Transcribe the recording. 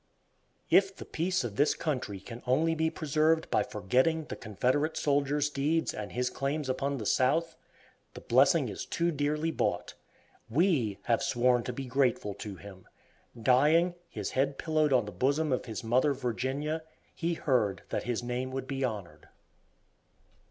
If the peace of this country can only be preserved by forgetting the Confederate soldier's deeds and his claims upon the South, the blessing is too dearly bought. We have sworn to be grateful to him. Dying, his head pillowed on the bosom of his mother, Virginia, he heard that his name would be honored.